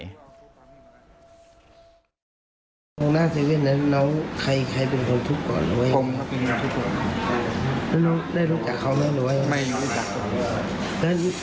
แล้วนักข่าวข้ามีท่า